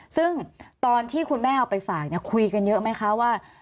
ซึ่งตอนที่คุณแม่เอาไปฝากคุยกันเยอะไหมคะว่า